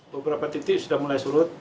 tidak ada titik sudah mulai surut